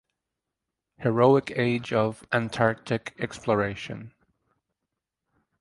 Heroic Age of Antarctic Exploration